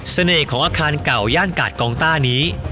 ของอาคารเก่าย่านกาดกองต้านี้